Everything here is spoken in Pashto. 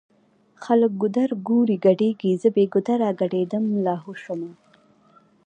خلکه ګودرګوري ګډيږی زه بې ګودره ګډيدمه لا هو شومه